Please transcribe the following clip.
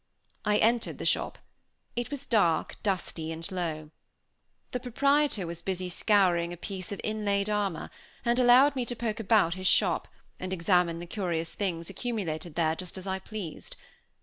I entered the shop; it was dark, dusty, and low. The proprietor was busy scouring a piece of inlaid armor, and allowed me to poke about his shop, and examine the curious things accumulated there, just as I pleased.